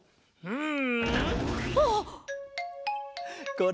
うん。